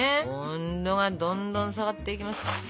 温度がどんどん下がっていきます。